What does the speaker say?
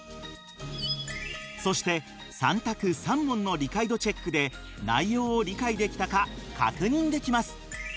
そして３択３問の理解度チェックで内容を理解できたか確認できます。